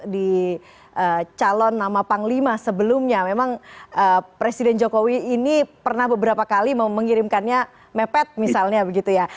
di calon nama panglima sebelumnya memang presiden jokowi ini pernah beberapa kali mengirimkannya mepet misalnya begitu ya